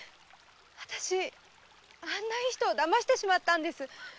あたしあんないい人を騙してしまったんです。